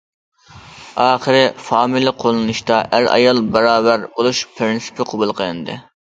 ئاخىرى، فامىلە قوللىنىشتا ئەر-ئايال باراۋەر بولۇش پىرىنسىپى قوبۇل قىلىندى.